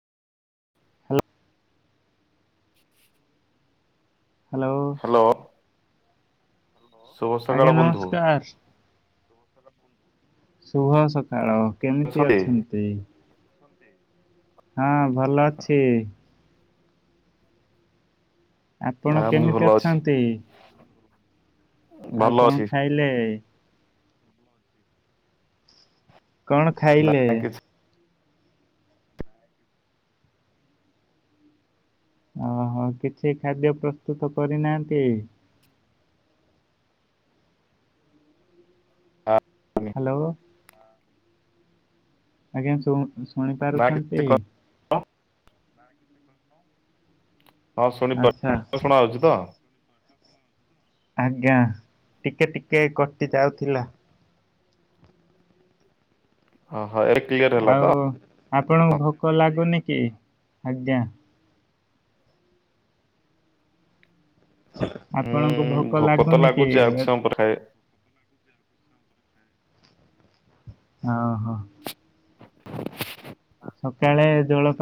Hello hello. Hello. ସକାଳ ଆଜ୍ଞା ବନ୍ଧୁ ନମସ୍କାର। ଶୁଭ ସକାଳ କେମିତି ଅଛନ୍ତି? ହା ଭଲ ଅଛି। ନା ଆପଣ ମୁଁ କେମିତି ଭଲ ଅଛି ଅଛନ୍ତି? ଆଉ ଭଲ କଣ ଅଛି ଖାଇଲେ? କଣ ଖାଇଲେ? ନା ଅହ କିଛି ଖାଦ୍ୟ ପ୍ରସ୍ତୁତ କରିନାହାନ୍ତି। କିଛି ହାଲୋ। ଆଜ୍ଞା ଶୁଣ ନା ଶୁଣିପାରୁଛନ୍ତି? କିଛି କହ [inaudible] ହଁ ଆଚ୍ଛା ଶୁଣିପାରଚି ଶୁଣାହୋଉଚି ତ? ଆଜ୍ଞା ଟିକେ ଟିକେ କଟି ଯାଉଥିଲା। ଅହ ଏବେ ଠିକ ଅଛି। ଆଉ ଆପଣଙ୍କୁ ଭୋକ ଲାଗୁନି କି ଆଜ୍ଞା। ଆପଣଙ୍କୁ ଉଁ ଭୋକ ତ ଲାଗୁନି କି? ଲାଗୁଚି ଆଉ କିଛି ସମୟ ପରେ ଖାଇବା। ହଁ ହଁ। ସକାଳେ ଜଳ ପା